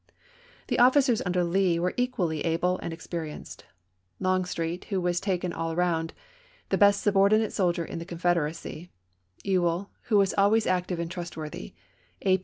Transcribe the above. The ofiScers under Lee were equally able and experienced: Longstreet, who was, taken all round, the best subordinate soldier of the Confederacy ; Ewell, who was always active and trustworthy, and A.